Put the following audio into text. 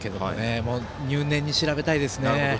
入念に調べたいですね。